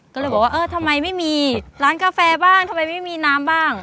ก็เลยบอกว่าเออทำไมไม่มีร้านกาแฟบ้างทำไมไม่มีน้ำบ้าง